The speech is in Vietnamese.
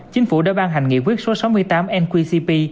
chính phủ đã ban hành nghị quyết số sáu mươi tám nqcp